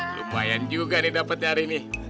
lu bayan juga nih dapetnya hari ini